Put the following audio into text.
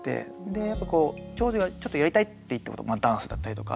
やっぱこう長女がちょっとやりたいって言ったことダンスだったりとか。